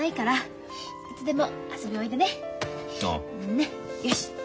ねっよし。